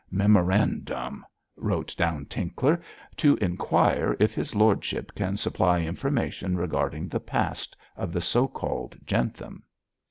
'Memorandum,' wrote down Tinkler, 'to inquire if his lordship can supply information regarding the past of the so called Jentham.'